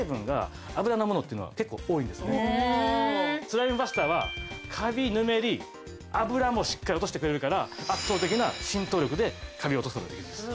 スライムバスターはカビヌメリ油もしっかり落としてくれるから圧倒的な浸透力でカビを落とす事ができるんです。